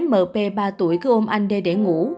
mp ba tuổi cứ ôm anh đê để ngủ